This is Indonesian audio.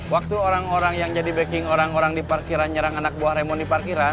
waktu orang orang yang jadi backing orang orang di parkiran nyerang anak buah remoni parkiran